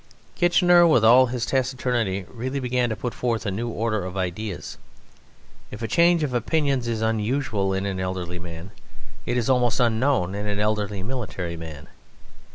Kitchener, with all his taciturnity, really began to put forth a new order of ideas. If a change of opinions is unusual in an elderly man, it is almost unknown in an elderly military man.